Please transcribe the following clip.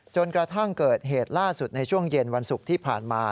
จนกระทั่งเกิดเหตุล่าสุดในช่วงเย็นวันศุกร์ที่ผ่านมา